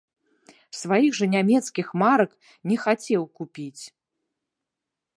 Сваіх жа нямецкіх марак не хацеў купіць.